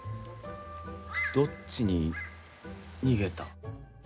どっちに逃げた？